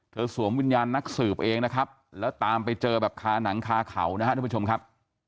สวมวิญญาณนักสืบเองนะครับแล้วตามไปเจอแบบคาหนังคาเขานะครับทุกผู้ชมครับ